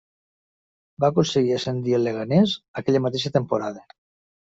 Va aconseguir ascendir el Leganés aquella mateixa temporada.